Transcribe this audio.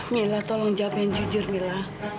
mila tolong jawab yang jujur mila